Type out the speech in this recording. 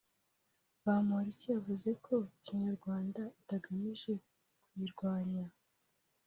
Bamporiki yavuze ko ’Kinyarwanda’ itagamije kuyirwanya